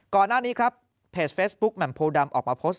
ก่อนหน้านี้ครับเพจเฟซบุ๊คแหม่มโพดำออกมาโพสต์